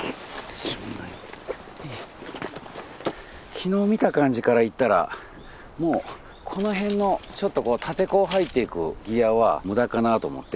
昨日見た感じからいったらもうこの辺のちょっと立て坑入っていくギアは無駄かなと思って。